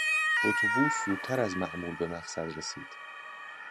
اتوبوس زودتر از معمول به مقصد رسید.